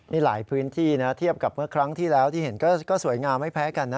นี่หลายพื้นที่นะเทียบกับเมื่อครั้งที่แล้วที่เห็นก็สวยงามไม่แพ้กันนะ